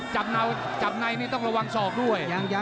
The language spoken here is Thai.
จับในนี่ต้องระวังศอกด้วย